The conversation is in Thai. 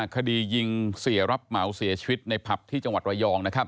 คดียิงเสียรับเหมาเสียชีวิตในผับที่จังหวัดระยอง